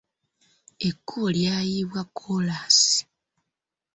Ekkubo lyayiibwa kkoolaasi.